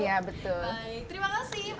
ya betul terima kasih bu bapak